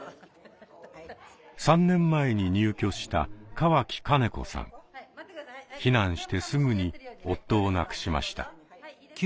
３年前に入居した避難してすぐに夫を亡くしました。